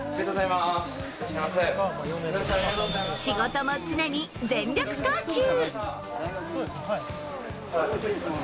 仕事も常に全力投球。